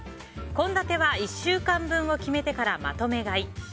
献立は１週間分を決めてからまとめ買い。